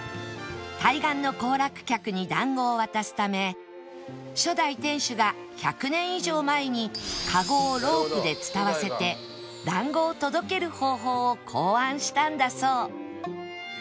対岸の行楽客にだんごを渡すため初代店主が１００年以上前にカゴをロープで伝わせてだんごを届ける方法を考案したんだそう